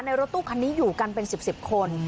รถตู้คันนี้อยู่กันเป็น๑๐คน